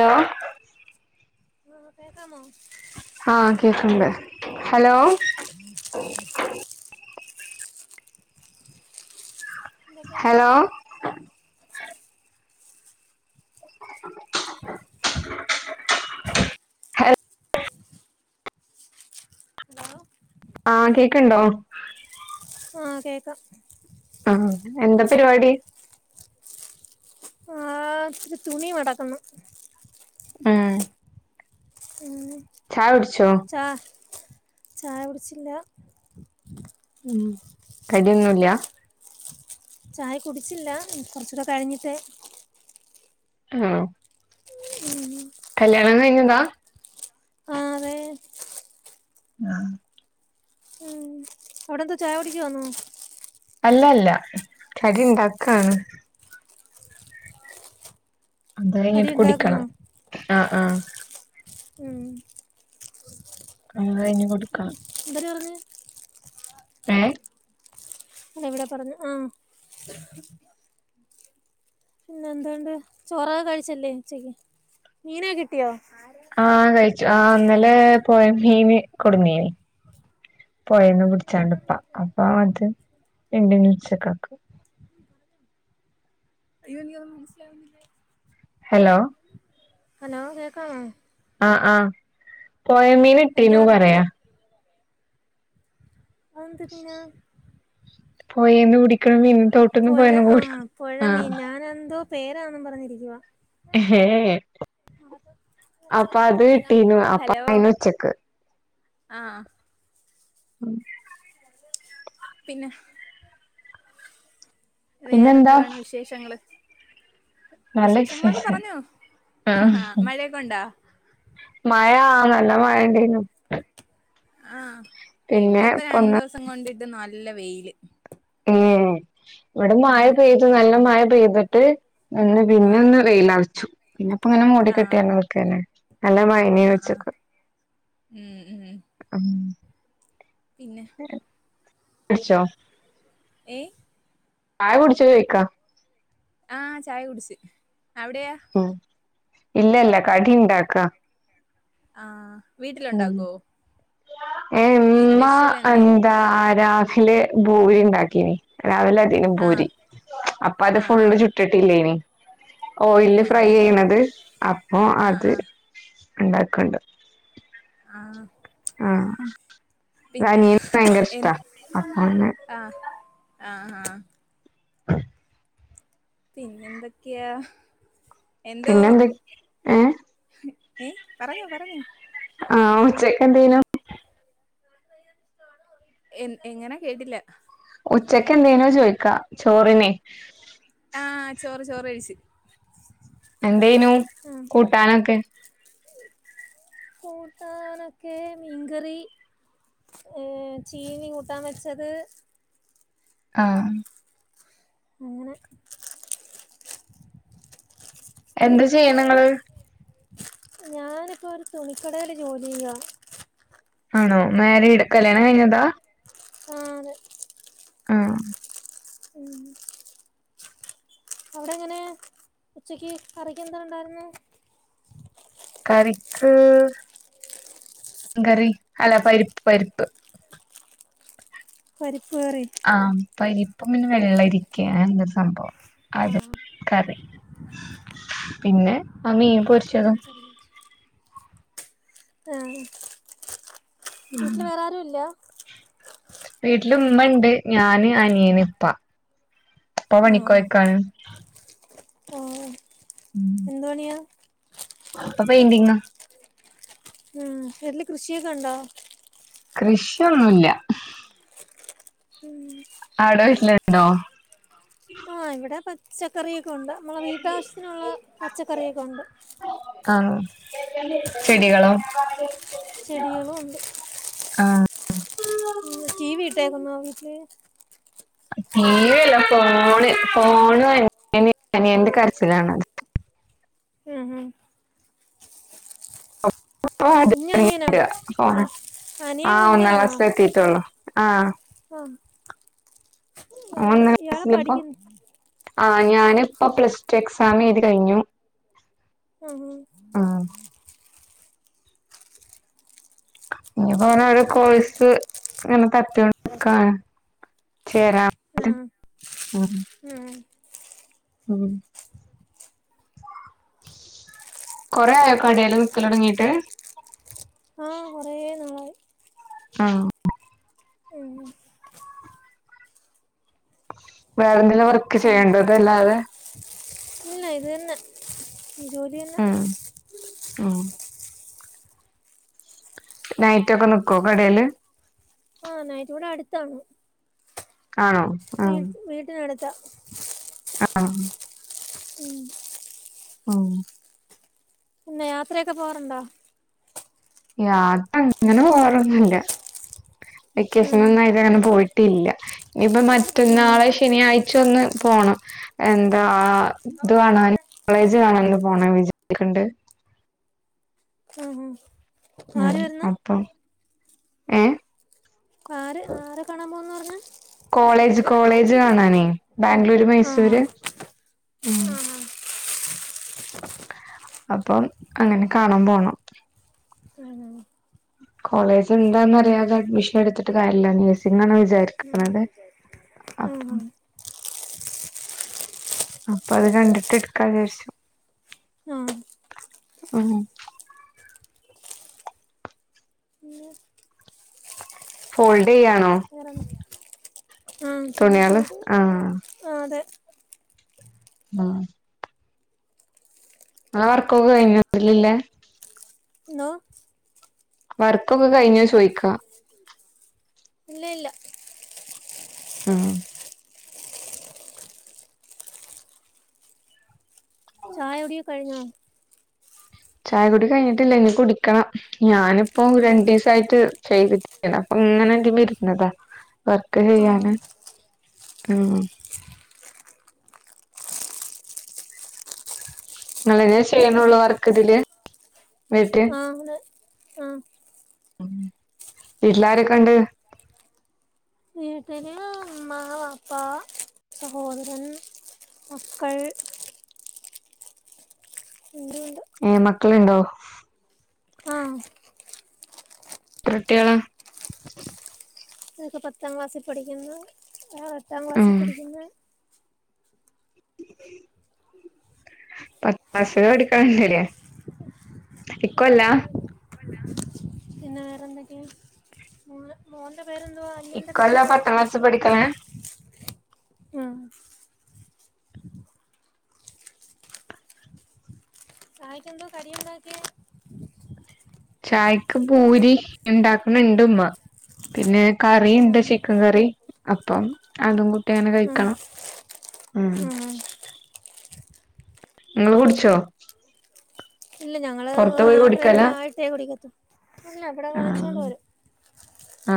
Hello ആ കേക്കാമോ? ആഹ കേൾക്ണ്ട് ഹലോ. എന്തൊക്കയുണ്ട് ഹലോ വിശേഷം. ഹലോ. ഹലോ ആഹ കേക്ണ്ടോ? ആ കേൾക്കാ. ആ എന്താ പരിപാടി? ആഇത്തിരി തുണി മടക്കുന്നു ആഹ. പിന്നെ ചാ ചായ കുടിച്ചില്ല? ഉ കടിന്നുല്ല? ചായ കുടിച്ചില്ല കുറച്ചുകൂടെ കഴിഞ്ഞിട്ടേ ആഹ. ഉം കല്യാണം കഴിഞ്ഞതാ. ആഹ് അതെ ആഹ. അവിടെ എന്താ ചായ കുടിക്കുവാന്നോ? അല്ലല്ല കടി ണ്ടാക്കാണ്. അത് കടി കഴിഞ്ഞിട്ട് കുടിക്കണം ഉണ്ടാക്കുന്നോ ആഹ ആഹ ഉം. അത് കഴിഞ്ഞു എന്തര് പറഞ്ഞു ഏഹ. എവിടെ പറഞ്ഞു ആഹ. പിന്നെ എന്തണ്ട് ചോറകെ കഴിച്ചല്ലേ ഇച്ചക്ക് മീനോക്കെ കിട്ടിയോ? ആഹ കഴിച്ചു ആ അന്നലെ പോയ മീനി കൊടു മീനു. പോയേന്ന് പിടിച്ചാണ്ട്പ്പാ അപ്പൊ അത് എണ്ണ്ട് ച്ചകൊകെ. അയ്യോ എനിക്ക് ഒന്നും മനസിലാ വുന്നില്ല. ഹലോ. ഹലോ കേകാ മോ ആ ആ പോയ മീന് എന്താ ഇട്ടീനു പറ പറര്യ. അന്തേ പിന? പോയിന്ന് പിടിക്കണ മീൻ തൊട്ട്ന്നും പുഴ പൊയീന്നും കൂടി ആ പേരാണെന്നും പറഞ്ഞിരിക്കുവ. ഹ് ഹേ ഹേ. കിട്ടീനു അപ്പൊ ഹലോ. അയിന് ഉച്ചക്ക് ആഹ. ഉം പിന്നെ പിന്നെന്താ വേറെന്തതുാണ് വിശേഷങ്ങള്. നല്ല വിശേഷങ്ങളൊക്കെ വിശേഷം പറഞ്ഞോ ആഹ് ആ മഴയൊക്കെണ്ടാ.. മഴ നല്ല മയണ്ടായിന്നു. ആഹ ഇവിടെ ഇപ്പ രണ്ടു ദിവസം കൊണ്ടിട്ടുനല്ല വെയില്. ഏ ഇവിടെ മഴ ഉം പെയ്തു നല്ല മഴ പെയ്തിട്ട് അന്ന് പിന്നെ ആഹ് ഒന്ന് വെയില.. പിന്നെപ്പൊ ഇങ്ങെ ആഹ് മടികെട്ടിയാാണ് നിക്കന്നെ.. നല്ല മഴയായിരുന്നു ആഹ് ആഹ് ഉച്ചയ്ക്ക്. ഉം ഉം പിന്നെ അച്ച്ചോ എഏ പായ കുടിച്ചത് ചോക്കാ ആഹ ചായ കുടിിച്ചു അവിടെയാ ഇല്ല ഇല്ല കടിയുണ്ടാക്ക.. ആഹ വീട്ടിലുണ്ടാകോ? ഏ എമ്മ എന്താ രഹിലെ ഭൂരി ഉണ്ടാക്കീന്. രാവിലെ അധികം ആഹ് പോൂരി അപ്പ അത് ആഹ് ഫുള്ള് ആഹ് ചുട്ടിട്ടില്ല ഇനി. ഓ ഓയില്ല് ഫ്രൈ അങ്ങനെ. ചെയ്യണത് അപ്പൊ ആഹ് അത്. ആഹ് ഉണ്ടാക്കുന്നുണ്ട്. ആഹ് പിന്നെ ആഹനിയന് ഭയങ്കര എൻ ഇഷ്ടാ അപ്പെ. ആഹ ആ പിന്നെന്തൊക്കെയാ എന്തോ പിന്നെന്ത് ഏ ഏ പറഞ്ഞോ പറഞ്ഞു ആഹ ഉച്ചക്ക് എന്തേനും. എ എങ്ങനാ കേട്ടില്ല. ഉച്ചക്ക് എന്തേനോ ചോയ്ിക്കാ ചോറിനെ. ആഹ ചോറ് ചോറ് കഴിച്ചു. എന്തേനു കൂട്ടാനൊക്കെ കൂട്ടാനൊക്കെ മീൻകറി. ഏർ ചീനി കൂട്ടാൻ വെച്ചത്. ആഹ അങ്ങനെ എന്ത് ചെയ്യണങ്ങള്. ഞാനിപ്പോ ഒരു തുണിക്കടയില് ജോലി ചെയ്യാ. ആണോ മാരിഡ് കല്യാണം കഴിഞ്ഞതാ. ആ ആഹ ഉം അവിടെ എങ്ങനെ ഉച്ചക്ക് കറിക്ക് എന്താണ്ടായിരുന്നു. കറിക്ക് കറി അല്ല പരിപ്പ് പരിപ്പ്. പരിപ്പുകറി. ആഹ് പരിപ്പും പിന്നെ വെള്ള ഇരിക്ക എന്തൊരു സംഭവം ആഹ് അതുംകറി. പിന്നെ [unintelligible] ആ വീട്ടിൽ വേറെ ആരു ഇല്ല. വീട്ടില ഉമ്മുണ്ട് ഞാന് അനിയന് ഇപ്പാ. പ്പ പണി ആഹ് കോയ്ക്കാണ്. എന്തണിയാ അപ്പൊ പെയിന്റിങ്ങാ ഉം വീട്ടല് കൃഷിയൊക്കെ ഉണ്ടോ? കൃഷിയൊന്നു ഇല്ല ഉം ആട വീട്ടിലുണ്ടോ? ആഹ ഇവിടെ പച്ചക്കറി യൊ ക്കെ ഉണ്ട് നമ്മളെ വീട്ടാവശ്യത്തിനുള്ള പച്ചക്കറിയൊക്കെ ഉണ്ട്. ആഹ് ചെടികളോ ചെടികളും ഉണ്ട്. ആ ഉ ടി വി ഇട്ടേക്കന്നോ വീട്ടില് ടി വില്ല ഫോണ് ഫോണ് [unintelligible] എനി [inaudible] കരച്ചിലാണ്ത് ഉം ഉം കുഞ്ഞ അനിയനാ ഏ ഫോണ് അനിയൻ ആഹ് ഒന്നാം കുഞ്ഞാണോ? ക്ലാസ്സിൽ എത്തിയിട്ടുള്ളൂ ആഹ് ആഹ ആ ഒന്നാം ക്ലാസിപ്പോ പഠിക്കുന്നു ആ ഞാാനിപ്പോ പ്ലസ് ടു എക്സാം ചെയ്ത് കഴിഞ്ഞു. ആഹ ഹ ആഹ് ഇനിപ്പോനെ ഓരോ കോഴ്സ് ഇങ്ങനെ [unintelligible] ശരാ ആഹ് ഉ [unintelligible] ആഹ് ഉം കൊറെ ആയോ കടലു നിക്കല തുടങ്ങീട്ട് ആഹ് കൊറേ നാളായി ആഹ ഉം വേറെ എന്തങ്കിലും വർക്ക് ചെയ്യണ്ട ഇതല്ലാതെ? ഇല്ല ഇത് തന്നെ ജോലി തന്നെ ആഹ നൈറ്റു ഒക്കെ നിക്കുവോ കടയില്? ആഹ നൈട്ട് ടെ അടുത്താണ് ആണോ ആ വീ വീട്ടിനടുത്താ ആഹ ഉം ഓ പിന്നെ യാത്രയൊക്കെ പോവാറുണ്ടോ യാത്ര അങ്ങനെ പോവാറൊന്നില്ല വെക്കേഷൻ ഉം ഒന്നായിട്ട അങ്ങനെ പോയിട്ട് ട്ടില്ല ഇനിയിപ്പ ആ മറ്റന്നാളെ ശനിയാഴ്ച ഒന്ന് പോണം എന്താ ഇത് കാണൻ കോളേജ് കാണൻ ഒന്ന് പോണന്നു വിജരിക്കണ്ട് ഉ ഉ അപ്പൊ ഏ ആര് ആരെ കാണാൻ പോകുന്ന് പറഞ്ഞ് കോളേജ് കോളേജ് കാണാനേ ബാംഗ്ലൂര് മൈസൂര് ആഹ അപ്പൊ അങ്ങനെ കാണാൻ പോണം ആ കോളേജ് എന്താന്നറിയാതെ അഡ്മിഷൻ എടുത്തിട്ട് കാര്യില്ല നഴ്സിംഗാണ് വിചാരിക്കുന്നത് ക്കെ ആ അപ്പൊ അത് കണ്ടിട്ട് എടുക്കാ വിചാരിച്ചു ആ ആ ഉം പിന്നെ ഫോൾഡ് ചെയ്യയാണോ വേറെന്താ ആ പിന്നെ തുണികളു പോയിട്ട് ആഹ ആ അതെ ആഹ ങ്ങളെ വർക്കൊക്കെ കഴിഞ്ഞോ ഇതിലല്ലേ? എന്തോ വർക്കൊക്കെ കഴിഞ്ഞോ ചോയ്ക്ക ഇല്ല ഇല്ല മ് ആഹ ചായകുടിയൊക്കെ കഴിഞ്ഞോ? ചായ കുടി കഴിഞ്ഞിട്ടില്ല ഇനി കുടിക്കണം ഞാനിപ്പോ ആ രണ്ടു ദിവസയിട്ട് ചെയ്തിട്ടപ്പ ഇങ്ങനെ എതി വരുന്നതാ വർക്ക് ആ ചെയ്യാന് ആ ങ്ങള്ളനെ ചെയ്യുന്നോള്ളൂ വർക്ക് ഇതില് വീട്ട് ആ അതെ ആ ഉ വീട്ടിലാരൊക്കെണ്ട്? വിട്ടിൽ ഒക്ക [unintelligible] ഏ മക്കളുണ്ടോ? ആഹ് എത്രക്കുട്ടിയല്ല? ഇവരൊക്കെ പത്താം ക്ലാസ്സിൽ പഠിക്കുന്ന ആ പത്താം ക്ലാസ്സിൽ ഉം പഠിക്കുന്ന [inaudible] പാസ എടുക്കാനണ്ടല്ലേ എകൊല്ലം [unintelligible] വേറെന്തോക്കെ മോൻ മോന്റെ [inaudible] അനിയന്റെ ഇക്കൊല്ല പേരെന്തുവാ പത്താം ക്ലാസ് പഠിക്കണേ? ആഹ് ചായെക്കെന്താ കടിയുണ്ടാക്കിയെ? ചായക്ക് പൂരി ഉണ്ടാക്കണ ഇണ്ട്മ്മ പിന്നെ കറിണ്ട് ആഹ് ചിക്കൻ കറി അപ്പം അതുംകൂട്ടി അങ്ങനെ ആഹ് കഴിക്കണം. ഉം ആഹ് നിങ്ങള് കുടിച്ചോ? ഇല്ല ഞങ്ങള്ൾ പുറത്ത് പോയി കുടിക്കല ആറരൊക്കെ ആയിട്ടേ കുടിക്കത്തും. അല്ല ഇവിടെ ആ വാങ്ങിച്ചൊണ്ട് വരും. ആ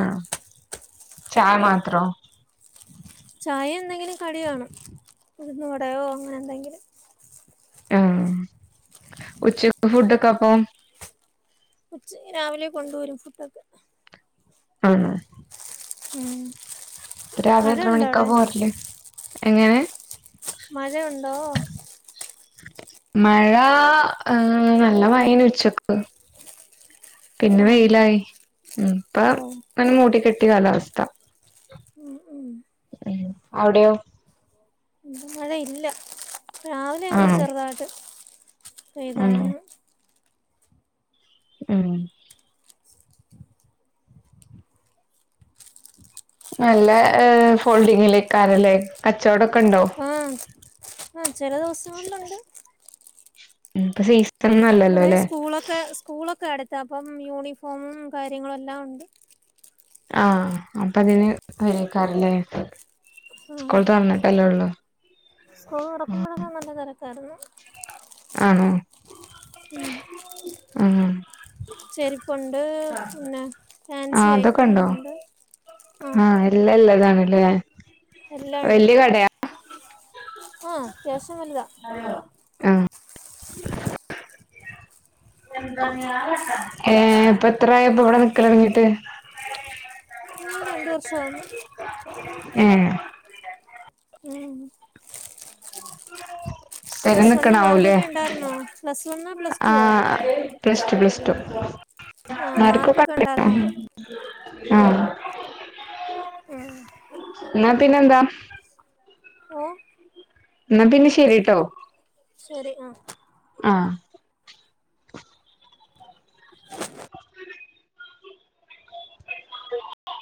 ചായ മാത്രോ ചായ എന്തെങ്കിലും കടി വണം ഉഴുന് വടയോ അങ്ങനെ എന്തെങ്കിലും ആഹ ഉച്ച ഫുഡ്ഒക്കെ അപ്പ? ഉച്ച് രാവിലെ കൊണ്ട വരും ഫുഡ്ഒക്കെ ആഹ ഉം രാവിലെ എത്ര മഴയുണ്ടോ മണിക്കാ അവിടെ പോരല്ല് എങ്ങനെ? മഴയുണ്ടോ? മഴ ഏ നല്ല മഴെന്ന് ഉച്ചക്ക്. പിന്നെ ആഹ് വെയിലായി ഉ ഇപ്പ ഓ ഇങ്ങനെ മൂടി കെട്ടിയ കാലാവസ്ഥ ഉം മ് അവിടെയോ? ഇവിടെ മഴയില്ല രാവിലെ ഒന്ന് ആണോ ചെറുതായിട്ട് പെയ്തായിരുന്നു. മ് നല്ല ഫോൾഡിങ്ങിലേക്കറല്ലേ കച്ചോടം ആഹ ആഹ ചില ദിവസങ്ങളിലുണ്ട് ഉം ഇപ്പൊ സീസണൊന്നും അല്ലല്ലോ ഇവിടെ അല്ലേ സ്കൂളൊക്കെ സ്കൂളൊക്കെ അടു ഇതപ്പം യൂണിഫോമും കാര്യങ്ങളുംെല്ലാം ഉണ്ട്. ആഹ അപ്പൊ അതിന് വരുവായിരിക്കും ആഹ് സ്കൂൾതുറന്നിട്ടല്ലേ ഉള്ളു സ്കൂൾ തുറക്കുന്നതിനേക്കാളും നല്ല തിരക്കായിരുന്നു. ആണോ ഉം ആഹ ചെരുപ്പുണ്ട് പിന്നെ ഫാൻസി ഐറ്റങ്ങളുണ്ട് ആഹ് ആഹ എല്ലാതും ഉള്ളതാണ് അല്ലെ വലിയ കടയാണോ ആഹ അത്യാവശ്യം വലുതാ ആഹ ഹേ ഇപ്പൊ എത്രയി അപ്പൊ ഇവിടെ നിൽക്കാം തുടങ്ങിയിട്ട് രണ്ടു വർഷം ആകുന്നു ഏ ഉം സ്ഥര പ്ലസ് വണ്ണിന് നിക്കണാവൂലേ മാർക്കൊക്കെ ഉണ്ടായിരുന്നോ പ്ലസ് വണ്ണോ പ്ലസ് ആ റ്റു വാ പ്ലസ് റ്റു ആഹ മാർക്കൊക്കെ ഉണ്ടായിുന്നോ ഹ എഏ എന്നാ പിന്നെന്താ ഓ എന്നാ പിന്നെ ശെരിട്ടോ ശരി ആ ആഹ [unintelligible] ഉ